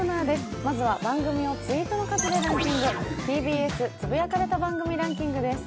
まずは番組をツイートの数でランキング、「ＴＢＳつぶやかれた番組ランキング」です。